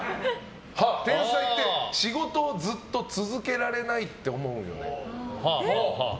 天才って仕事をずっと続けられないって思うんよね。